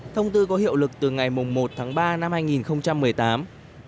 thông tư có hiệu lực từ ngày một tháng ba năm hai nghìn một mươi tám